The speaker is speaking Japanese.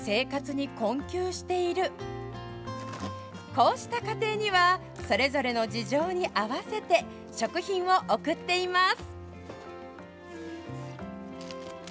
こうした家庭にはそれぞれの事情に合わせて食品を送っています。